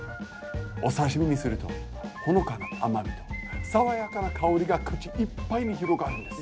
お刺身にするとほのかな甘みと爽やかな香りが口いっぱいに広がるんです。